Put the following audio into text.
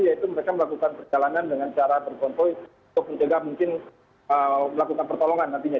yaitu mereka melakukan perjalanan dengan cara berkonvoy untuk mencegah mungkin melakukan pertolongan nantinya